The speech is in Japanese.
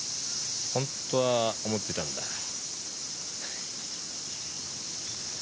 本当は思ってたんだ。